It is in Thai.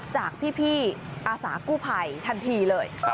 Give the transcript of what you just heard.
จากพี่อาสากู้ภัยทันทีเลย